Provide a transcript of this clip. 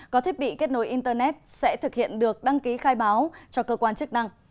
có thiết bị kết nối internet sẽ thực hiện được đăng ký khai báo cho cơ quan chức năng